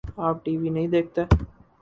آ پ T V نہیں دیکھتے؟